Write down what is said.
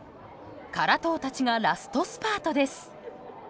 辛党たちがラストスパートです。